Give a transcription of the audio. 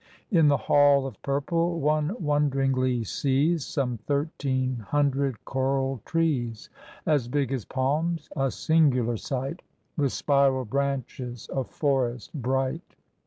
In the "Hall of Purple" one wonderingly sees Some thirteen hundred coral trees, As big as palms, a singular sight, With spiral branches, a forest bright.